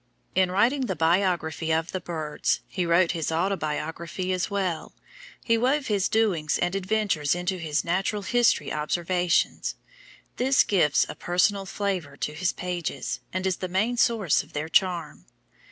In writing the biography of the birds he wrote his autobiography as well; he wove his doings and adventures into his natural history observations. This gives a personal flavour to his pages, and is the main source of their charm.